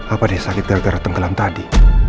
apa dia sakit gara gara tenggelam tadi